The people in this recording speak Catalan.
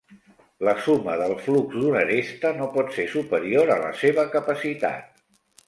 La suma del flux d'una aresta no pot ser superior a la seva capacitat.